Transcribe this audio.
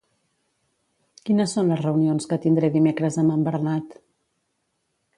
Quines són les reunions que tindré dimecres amb en Bernat?